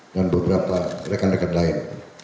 beberapa rekan rekan lain